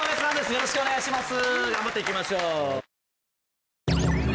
よろしくお願いします